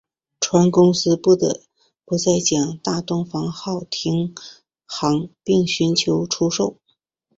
船公司不得不在将大东方号停航并寻求出售。